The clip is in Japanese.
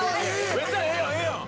めっちゃええやんええやん！